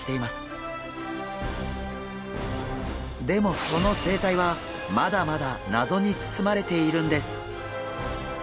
でもその生態はまだまだ謎に包まれているんです。